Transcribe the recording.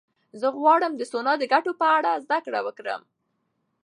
زه غواړم د سونا د ګټو په اړه زده کړه وکړم.